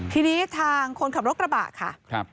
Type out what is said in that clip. ทีนี้ทางคนขับรถกระบะค่ะ